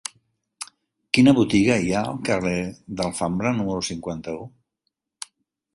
Quina botiga hi ha al carrer de l'Alfambra número cinquanta-u?